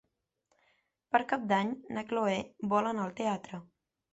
Per Cap d'Any na Chloé vol anar al teatre.